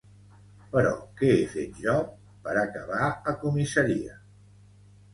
Però què he fet jo per acabar a comissaria?